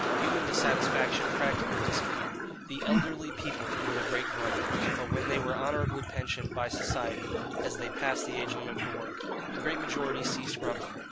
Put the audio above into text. Human dissatisfaction practically disappeared. The elderly people were the great grumblers; but when they were honourably pensioned by society, as they passed the age limit for work, the great majority ceased grumbling.